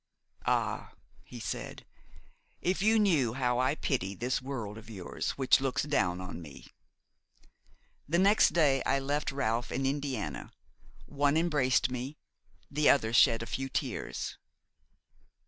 "Ah!" he said, "if you knew how I pity this world of yours, which looks down on me!" The next day I left Ralph and Indiana; one embraced me, the other shed a few tears.